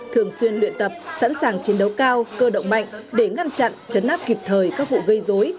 thường xuyên luyện tập sẵn sàng chiến đấu cao cơ động mạnh để ngăn chặn chấn áp kịp thời các vụ gây dối